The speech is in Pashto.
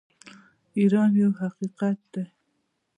ایران یو حقیقت دی.